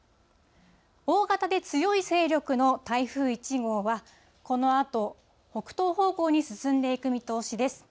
大型で強い勢力の台風１号は、このあと北東方向に進んでいく見通しです。